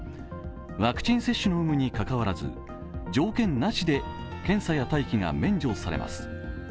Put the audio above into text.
ワクチン接種の有無に関わらず条件なしで検査や待機が免除されます。